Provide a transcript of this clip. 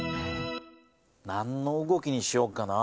何の動きにしよっかな。